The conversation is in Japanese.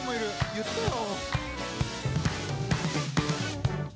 言ってよ。